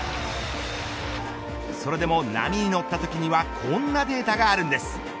それでも波にのったときにはこんなデータがあるんです。